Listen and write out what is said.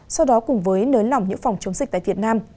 sau đó cùng với nới lỏng những phòng chống dịch tại việt nam